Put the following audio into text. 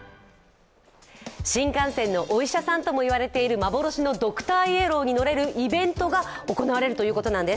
新幹線のお医者さんとも言われている幻のドクターイエローに乗れるイベントが行われるということなんです。